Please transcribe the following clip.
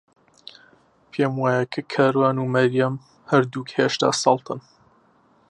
پێم وایە کە کاروان و مەریەم هەردووک هێشتا سەڵتن.